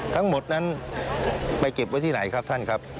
ทั้งหมดนั้นไปเก็บไว้ที่ไหนครับท่านครับ